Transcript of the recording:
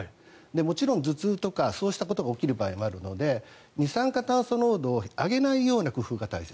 もちろん頭痛とかそうしたことが起きる場合があるので二酸化炭素濃度を上げないような工夫が大切。